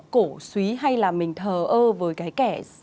cổ suý hay là mình thờ ơ với cái kẻ